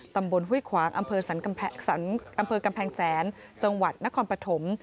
ห้วยขวางอำเภอกำแพงแสนจังหวัดนครปฐม